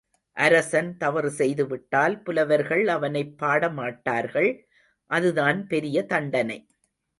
அரசன் தவறு செய்துவிட்டால் புலவர்கள் அவனைப் பாடமாட்டார்கள் அதுதான் பெரிய தண்டனை.